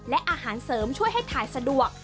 และอาหารเสริมช่วยให้ถ่ายสะดวก